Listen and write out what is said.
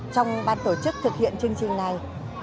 trong ban tổ chức thực hiện chương trình này